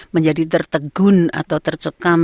menjadi tertegun atau tercekam